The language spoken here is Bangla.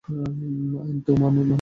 আইন তো তা মানবে না।